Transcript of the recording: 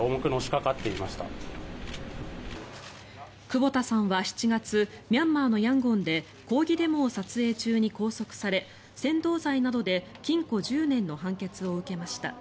久保田さんは７月ミャンマーのヤンゴンで抗議デモを撮影中に拘束され扇動罪などで禁錮１０年の判決を受けました。